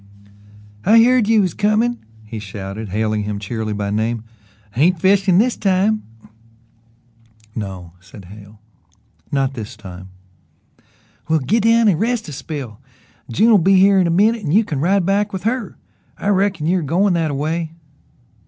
"I heard you was comin'," he shouted, hailing him cheerily by name. "Ain't fishin' this time!" "No," said Hale, "not this time." "Well, git down and rest a spell. June'll be here in a minute an' you can ride back with her. I reckon you air goin' that a way."